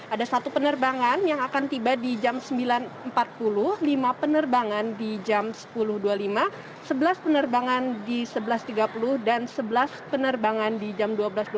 ada satu penerbangan yang akan tiba di jam sembilan empat puluh lima penerbangan di jam sepuluh dua puluh lima sebelas penerbangan di sebelas tiga puluh dan sebelas penerbangan di jam dua belas dua puluh